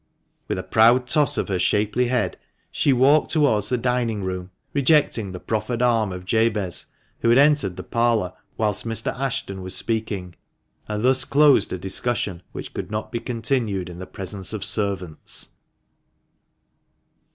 With a proud toss of her shapely head, she walked towards the dining room, rejecting the proffered arm of Jabez, who had THE MANCHESTER MAN. 373 entered the parlour whilst Mr. Ashton was speaking, and thus closed a discussion which could not be continued in the presence of servants.